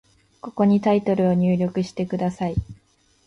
ここにタイトルを入力してください。